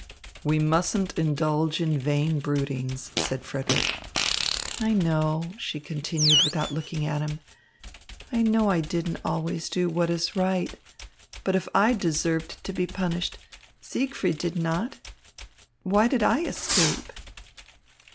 "We mustn't indulge in vain broodings," said Frederick. "I know," she continued without looking at him, "I know I didn't always do what is right, but if I deserved to be punished, Siegfried did not. Why did I escape?"